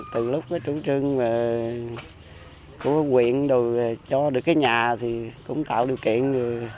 từ lúc trú trưng của quyện rồi cho được cái nhà thì cũng tạo điều kiện